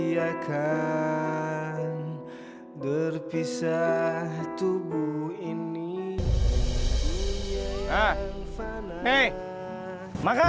jalanan besar itu gak bagus buat anak seumur kamu